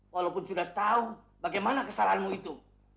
walaupun sudah tahu bagaimana kesalahanmu itu